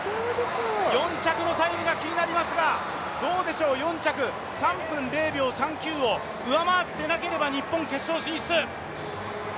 ４着のタイムが気になりますが、どうでしょう、４着、３分０秒３９を上回っていなければ日本決勝進出。